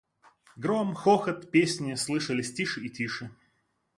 Гром, хохот, песни слышались тише и тише.